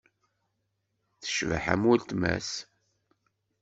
Tecbeḥ am weltma-s.